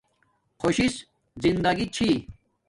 خوشی زندگی چھی